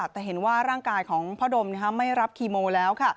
แต่เห็นว่าร่างกายของพ่อดมไม่รับคีโมแล้วค่ะ